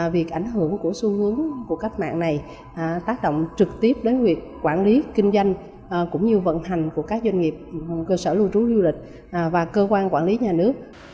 việc ảnh hưởng của xu hướng của cách mạng này tác động trực tiếp đến việc quản lý kinh doanh cũng như vận hành của các doanh nghiệp cơ sở lưu trú du lịch và cơ quan quản lý nhà nước